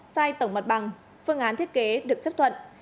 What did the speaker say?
sai tổng mặt bằng phương án thiết kế được chấp thuận